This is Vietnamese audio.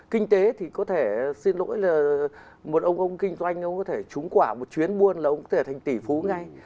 kinh tế thì có thể xin lỗi là một ông kinh doanh ông có thể trúng quả một chuyến buôn là ông có thể thành tỷ phú ngay